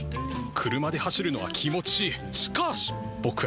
車で走るのは気持ちいい。